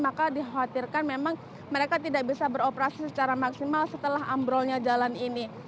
maka dikhawatirkan memang mereka tidak bisa beroperasi secara maksimal setelah ambrolnya jalan ini